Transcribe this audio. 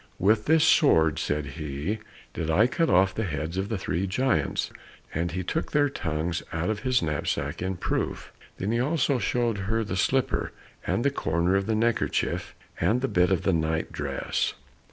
"With this sword," said he, "did I cut off the heads of three giants." And he took their tongues out of his knapsack in proof. Then he also showed her the slipper, and the corner of the neck kerchief, and the bit of the night dress.